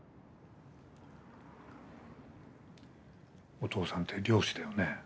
お父さんって漁師だよね？